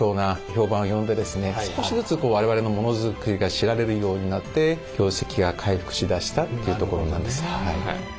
少しずつ我々のモノづくりが知られるようになって業績が回復しだしたというところなんです。